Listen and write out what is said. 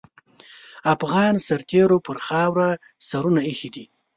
افغان سرتېرو پر خاوره سرونه اېښي دي.